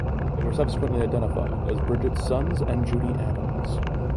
They were subsequently identified as Bridget Sons and Judy Adams.